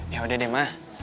ya udah deh ma